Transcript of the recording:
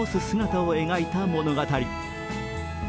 姿を描いた物語。